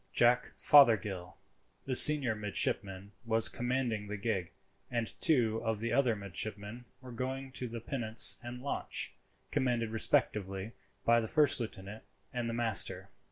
Jack Fothergill, the senior midshipman, was commanding the gig, and two of the other midshipmen were going in the pinnace and launch, commanded respectively by the first lieutenant and the master.